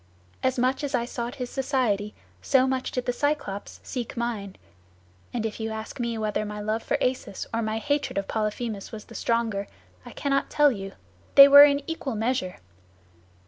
As much as I sought his society, so much did the Cyclops seek mine; and if you ask me whether my love for Acis or my hatred of Polyphemus was the stronger, I cannot tell you; they were in equal measure.